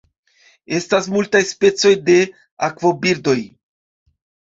Estas multaj specoj de akvobirdoj.